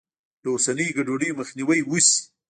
له اوسنیو ګډوډیو مخنیوی وشي.